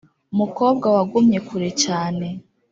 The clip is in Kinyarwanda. mukobwa wagumye kure cyane,